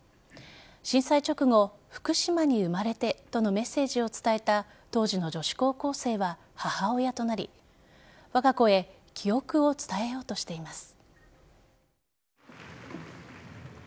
震災直後、福島に生まれてとのメッセージを伝えた当時の女子高校生は母親となりわが子へ記憶を伝えようとしています。